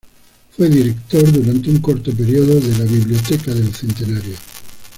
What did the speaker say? Fue director durante un corto periodo de la Biblioteca del Centenario.